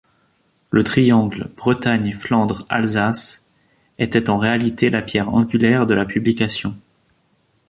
Le triangle Bretagne-Flandres-Alsace était en réalité la pierre angulaire de la publication.